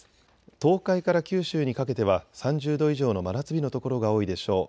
東海から九州にかけては３０度以上の真夏日の所が多いでしょう。